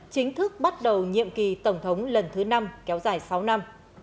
chính thức bắt đầu nhiệm kỳ tổng thống lần thứ năm kéo dài sáu năm